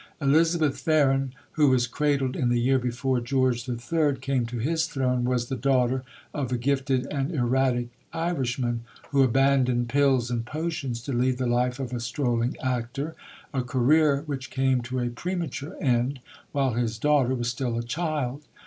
Elizabeth Farren, who was cradled in the year before George III came to his Throne, was the daughter of a gifted and erratic Irishman, who abandoned pills and potions to lead the life of a strolling actor, a career which came to a premature end while his daughter was still a child.